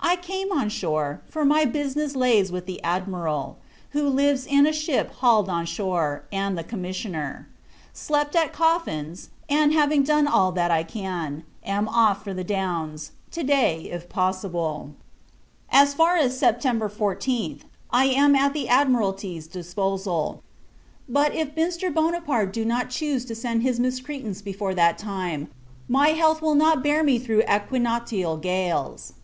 I came on shore; for my business lays with the Admiral, who lives in a ship hauled on shore, and the Commisioner. Slept at Coffin's: and, having done all that I can, am off for the Downs; to day, if possible. As far as September 14th, I am at the Admiralty's disposal; but, if Mr. Buonaparte do not chuse to send his miscreants before that time, my health will not bear me through equinoctial gales.